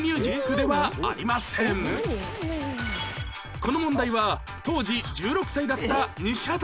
この問題は当時１６歳だった西畑さん